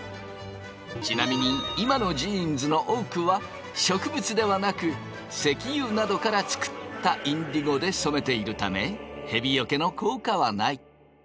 ちなみに今のジーンズの多くは植物ではなく石油などから作ったインディゴで染めているためへびよけの効果はない。